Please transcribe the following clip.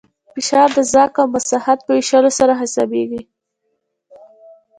فشار د ځواک او مساحت په ویشلو سره حسابېږي.